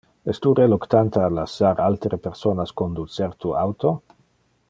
Es tu reluctante a lassar altere personas conducer tu auto?